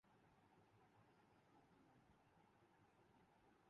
جب اردگرد دیکھنا شروع کیا اور جب پڑھنا شروع کیا